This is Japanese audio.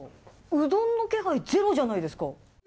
うどんの気配ゼロじゃないですか。